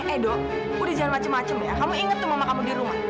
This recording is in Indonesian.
edo udah jalan macem macem ya kamu inget tuh mama kamu di rumah